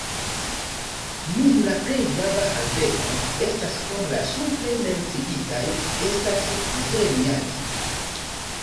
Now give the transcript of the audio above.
Nun la plej grava haveno estas krom la supre menciitaj estas Zrenjanin.